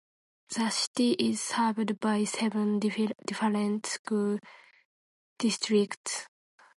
The city is served by seven different school districts.